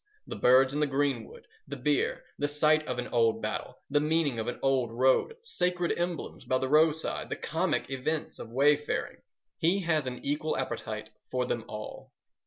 The birds in the greenwood, the beer, the site of an old battle, the meaning of an old road, sacred emblems by the roadside, the comic events of way faring—he has an equal appetite for them all.